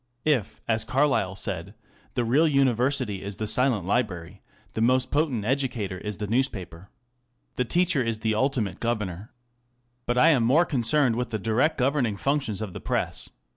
If, as Carlyle said, the real university is the silent library, the most potent educator is the newspaper. The teacher is the ultimate governor. But I am more concerned with the dji^ct_goyerniE^fuuctions of the Press.